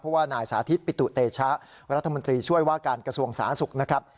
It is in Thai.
เพราะว่านายสาธิตปิตุเตชะรัฐมนตรีช่วยว่าการกระทรวงสาธารณสุขนะครับ